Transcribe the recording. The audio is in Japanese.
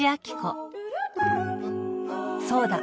そうだ！